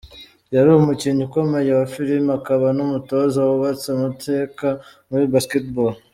yari umukinnyi ukomeye wa filime akaba n’umutoza wubatse amateka muri Basketball.